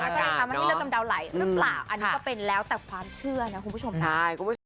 แล้วก็ในความว่าไม่ได้เลือกกำเดาไหลหรือเปล่าอันนี้ก็เป็นแล้วแต่ความเชื่อนะคุณผู้ชมส่วน